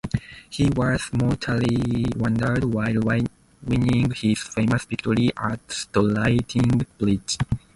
He was mortally wounded while winning his famous victory at Stirling Bridge.